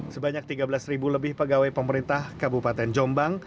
sebanyak tiga belas lebih pegawai pemerintah kabupaten jombang